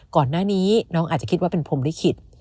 ก่อนหน้านี้น้องอาจจะคิดว่าเป็นพรมลิขิต